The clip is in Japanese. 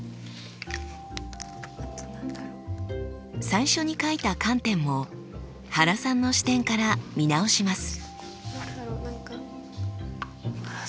最初に書いた観点も原さんの視点から見直します。